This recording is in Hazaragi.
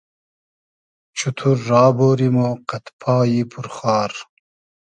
چوتور را بۉری مۉ قئد پایی پور خار